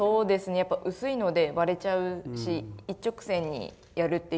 やっぱ薄いので割れちゃうし一直線にやるっていうのはなかなかちょっと。